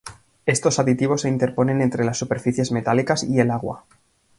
Estos aditivos se interponen entre las superficies metálicas y el agua.